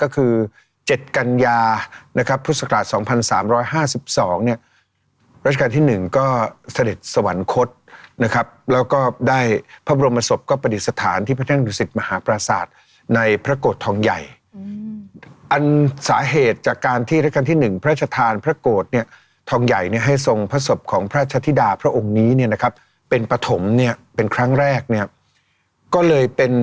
ก็คือ๗กันยานะครับพุทธศักราช๒๓๕๒เนี่ยรัชกาลที่๑ก็เสด็จสวรรคตนะครับแล้วก็ได้พระบรมศพก็ปฏิสถานที่พระนั่งดุสิตมหาปราศาสตร์ในพระโกรธทองใหญ่อันสาเหตุจากการที่ราชการที่๑พระราชทานพระโกรธเนี่ยทองใหญ่เนี่ยให้ทรงพระศพของพระชธิดาพระองค์นี้เนี่ยนะครับเป็นปฐมเนี่ยเป็นครั้งแรกเนี่ยก็เลยเป็น